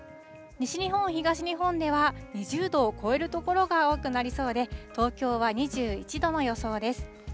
西日本、東日本では、２０度を超える所が多くなりそうで、東京は２１度の予想です。